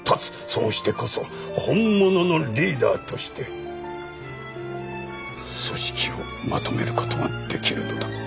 そうしてこそ本物のリーダーとして組織をまとめる事ができるのだ。